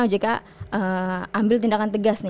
ojk ambil tindakan tegas